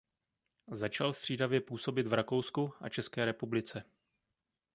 Začal střídavě působit v Rakousku a České republice.